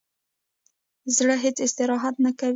زړه هیڅ استراحت نه کوي.